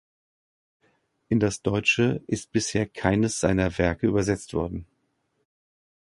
In das Deutsche ist bisher keines seiner Werke übersetzt worden.